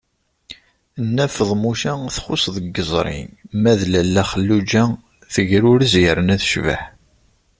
Nna Feḍmuca txuṣṣ deg yiẓri, ma d Lalla Xelluǧa tegrurez yerna tecbeḥ.